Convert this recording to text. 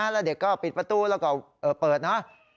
แล้วเด็กก็ปิดประตูแล้วก็เปิดนะ